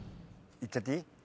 言っちゃっていい？